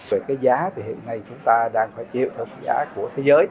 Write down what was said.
về cái giá thì hiện nay chúng ta đang phải chịu theo cái giá của thế giới